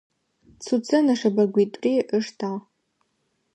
Цуцэ нэшэбэгуитӏури ыштагъ.